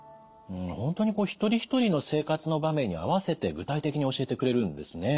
本当に一人一人の生活の場面に合わせて具体的に教えてくれるんですね。